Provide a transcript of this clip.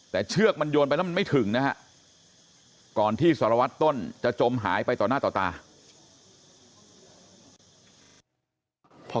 แต่เชือกมันโยนไปแล้วมันไม่ถึงนะฮะ